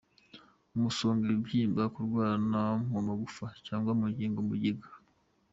Umusonga, ibibyimba, kurwara mu magufa cyangwa mu ngingo, mugiga,.